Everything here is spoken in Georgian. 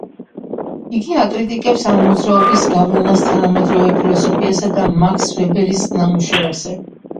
იგი აკრიტიკებს ამ მოძრაობის გავლენას თანამედროვე ფილოსოფიასა და მაქს ვებერის ნამუშევარზე.